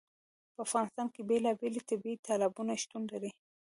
په افغانستان کې بېلابېل طبیعي تالابونه شتون لري.